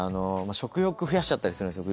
食欲増やしちゃったりするんですよ